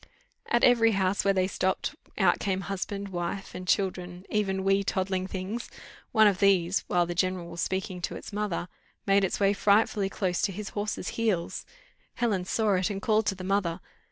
At every house where they stopped, out came husband, wife, and children, even "wee toddling things;" one of these, while the general was speaking to its mother, made its way frightfully close to his horse's heels: Helen saw it, and called to the mother.